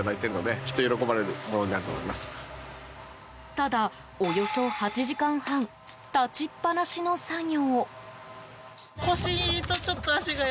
ただ、およそ８時間半立ちっぱなしの作業。